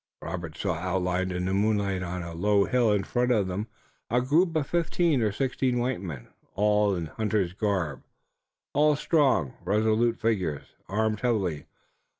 Robert saw outlined in the moonlight on a low hill in front of them a group of fifteen or sixteen white men, all in hunter's garb, all strong, resolute figures, armed heavily.